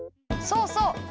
そうそう。